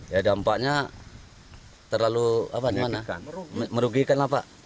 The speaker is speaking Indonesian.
ya dampaknya terlalu merugikan lah pak